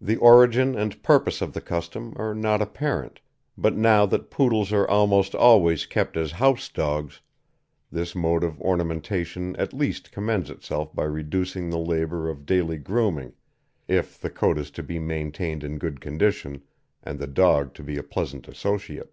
The origin and purpose of the custom are not apparent, but now that Poodles are almost always kept as house dogs, this mode of ornamentation at least commends itself by reducing the labour of daily grooming if the coat is to be maintained in good condition and the dog to be a pleasant associate.